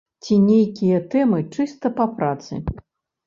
Ці нейкія тэмы чыста па працы.